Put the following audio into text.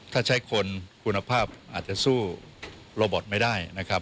ถ้าใช้คนคุณภาพอาจจะสู้โรบอตไม่ได้นะครับ